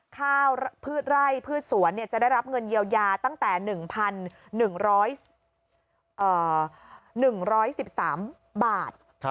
ข้าวพืชไร่พืชสวนจะได้รับเงินเยียวยาตั้งแต่๑๑๓บาท